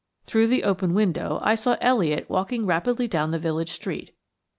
Through the open window I saw Elliott walking rapidly down the village street.